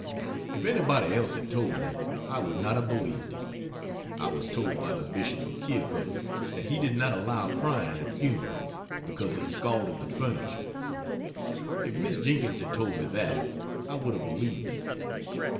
If anybody else had told me, I would not have believed it. I was told by the Bishop of Keokuk that he did not allow crying at funerals, because it scalded the furniture. If Miss Jenkins had told me that, I would have believed it.